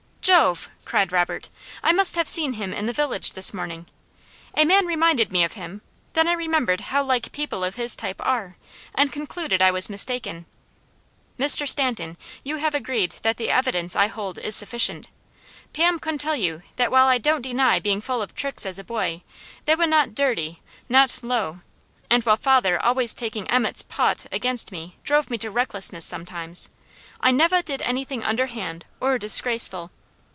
"Jove!" cried Robert. "I must have seen him in the village this morning. A man reminded me of him, then I remembered how like people of his type are, and concluded I was mistaken. Mr. Stanton, you have agreed that the evidence I hold is sufficient. Pam cawn tell you that while I don't deny being full of tricks as a boy, they weh not dirty, not low, and while father always taking Emmet's paht against me drove me to recklessness sometimes, I nevah did anything underhand or disgraceful.